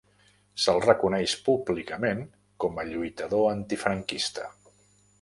Se'l reconeix públicament com a lluitador antifranquista.